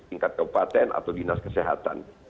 tingkat kabupaten atau dinas kesehatan